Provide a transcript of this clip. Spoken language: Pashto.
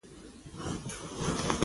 ما پښتو ژبه او ادبيات لوستي.